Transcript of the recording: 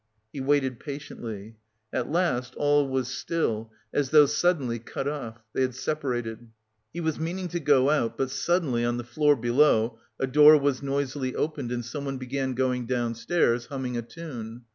He waited patiently. At last all was still, as though suddenly cut off; they had separated. He was meaning to go out, but suddenly, on the floor below, a door was noisily opened and someone began going downstairs humming a tune.